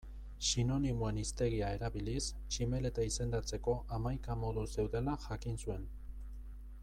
Sinonimoen hiztegia erabiliz tximeleta izendatzeko hamaika modu zeudela jakin zuen.